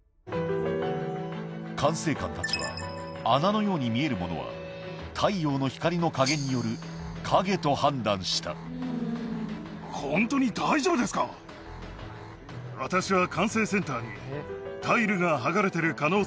管制官たちは穴のように見えるものは太陽の光の加減による影と判断したと訴えましたが。